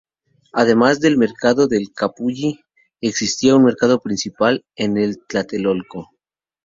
Además del mercado del "calpulli" existía un mercado principal en Tlatelolco.